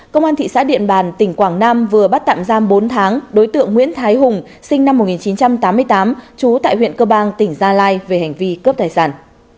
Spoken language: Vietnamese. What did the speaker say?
công an thị xã điện bàn tỉnh quảng nam vừa bắt tạm giam bốn tháng đối tượng nguyễn thái hùng sinh năm một nghìn chín trăm tám mươi tám trú tại huyện cơ bang tỉnh gia lai về hành vi cướp tài sản